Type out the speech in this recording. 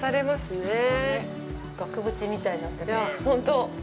額縁みたいになってて。